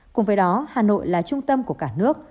cùng với đó hà nội là trung tâm của cả nước